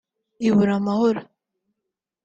ibura amahoro